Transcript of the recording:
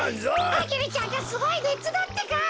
アゲルちゃんがすごいねつだってか！